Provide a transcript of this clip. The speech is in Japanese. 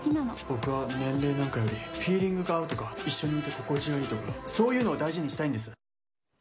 僕は年齢なんかよりフィーリングが合うとか一緒にいて心地よいとかそういうのを大事にしたいんです。